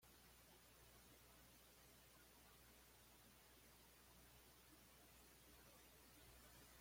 Está considerado como el primer centroamericano que ha participado en unos juegos olímpicos.